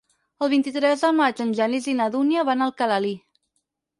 El vint-i-tres de maig en Genís i na Dúnia van a Alcalalí.